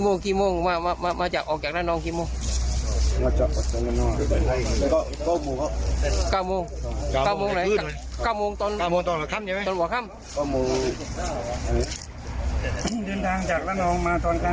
ออกจากห้านองกี่ทุ่มเมื่อคืนตีเจ้าไหร่มาผืนห้ะ